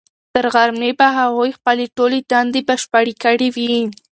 تر غرمې به هغوی خپلې ټولې دندې بشپړې کړې وي.